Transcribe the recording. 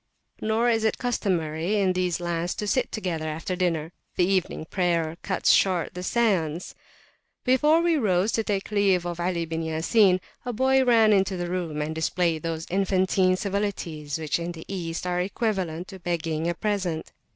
Nor is it customary, in these lands, to sit together after dinnerthe evening prayer cuts short the seance. Before we rose to take leave of Ali bin Ya Sin, a boy ran into the room, and displayed those infantine civilities which in the East are equivalent to begging a present.